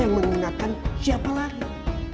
yang mengingatkan siapa lagi